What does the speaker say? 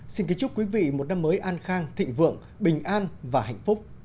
xin kính chúc quý vị một năm mới an khang thịnh vượng bình an và hạnh phúc